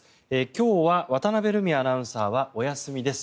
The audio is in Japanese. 今日は渡辺瑠海アナウンサーはお休みです。